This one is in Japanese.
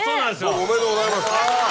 おめでとうございます。